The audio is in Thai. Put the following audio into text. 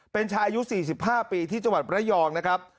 เป็นชายอายุ๔๕ปีที่จังหวัดระยองนะครับ